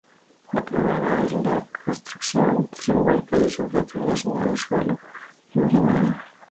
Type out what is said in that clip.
La primera es la castración simbólica y su objeto relacionado es el falo imaginario.